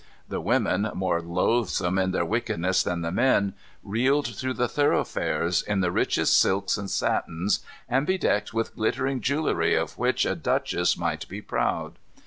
The women, more loathsome in their wickedness than the men, reeled through the thoroughfares, in the richest silks and satins, and bedecked with glittering jewelry of which a duchess might be proud.